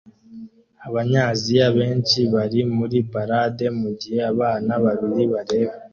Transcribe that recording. Abanyaziya benshi bari muri parade mugihe abana babiri bareba